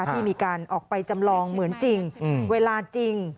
ที่มีการออกไปจำลองเหมือนจริงเวลาจริง